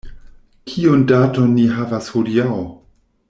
Kiun daton ni havas hodiaŭ?